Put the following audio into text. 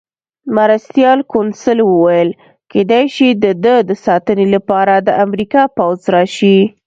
مرستیال کونسل وویل: کېدای شي د ده د ساتنې لپاره د امریکا پوځ راشي.